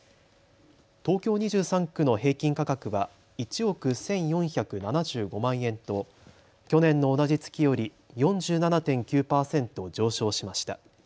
東京２３区の平均価格は１億１４７５万円と去年の同じ月より４７．９％上昇しました。